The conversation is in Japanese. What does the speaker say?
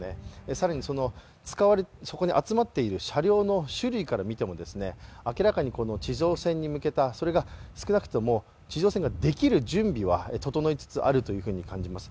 更にそこに集まっている車両の種類から見ても明らかに地上戦に向けた、それが少なくとも地上戦ができる準備は整いつつあるというふうに感じます。